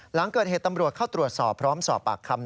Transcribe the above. หลังเกิดเหตุตำรวจเข้าตรวจสอบพร้อมสอบปากคำ